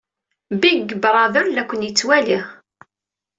Big Brother la ken-yettwali.